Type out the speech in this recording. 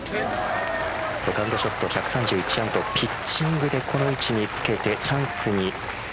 セカンドショット、１３１とピッチングでこの位置につけてチャンスに。